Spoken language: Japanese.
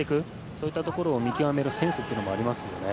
そういったところを見極めるセンスもありますね。